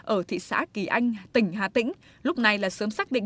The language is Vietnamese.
ở thị xã kỳ anh tỉnh hà tĩnh lúc này là sớm xác định